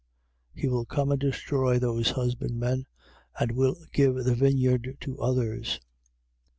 He will come and destroy those husbandmen and will give the vineyard to others.